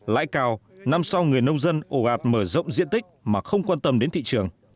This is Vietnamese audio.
lãi cao năm sau người nông dân ổ ạt mở rộng diện tích mà không quan tâm đến thị trường